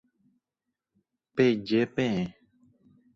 Peje peẽ.